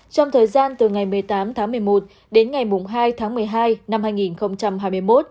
trong thời gian từ ngày một mươi tám tháng một mươi một đến ngày hai tháng một mươi hai năm hai nghìn hai mươi một